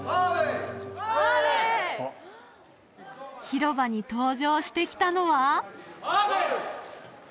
広場に登場してきたのは・アーレイ！